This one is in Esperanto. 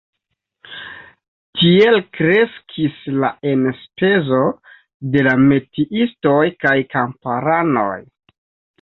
Tiel kreskis la enspezo de la metiistoj kaj kamparanoj.